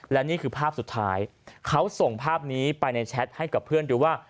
และนี่คือภาพสุดท้ายเขาส่งภาพนี้ไปในแชทให้กับเพื่อนดูว่า